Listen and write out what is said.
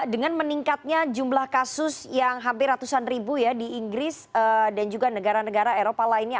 dengan meningkatnya jumlah kasus yang hampir ratusan ribu ya di inggris dan juga negara negara eropa lainnya